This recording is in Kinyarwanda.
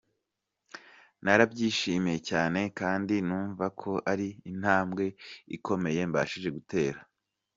Narabyishimiye cyane kandi numvako ari intambwe ikomeye mbashije gutera.